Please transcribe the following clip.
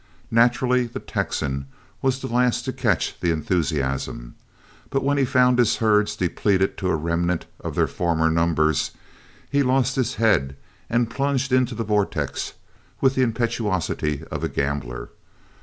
Naturally the Texan was the last to catch the enthusiasm, but when he found his herds depleted to a remnant of their former numbers, he lost his head and plunged into the vortex with the impetuosity of a gambler.